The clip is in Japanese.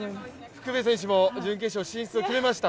福部選手も準決勝進出を決めました。